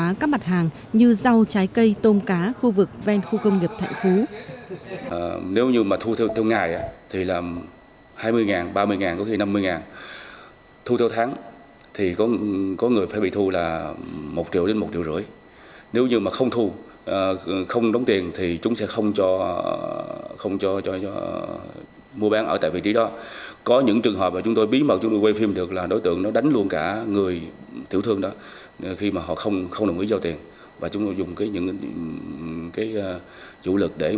bán các mặt hàng như rau trái cây tôm cá khu vực ven khu công nghiệp thạnh phú